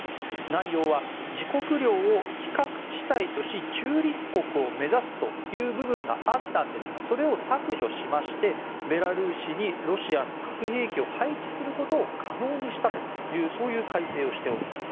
内容は「自国領を非核地帯とし中立国を目指す」という部分があったんですがそれを削除しましてベラルーシにロシアの核兵器を配置することを可能にしたというそういう改正をしております。